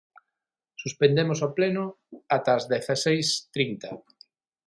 Suspendemos o pleno ata as dezaseis trinta.